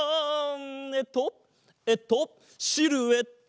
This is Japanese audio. えっとえっとシルエット！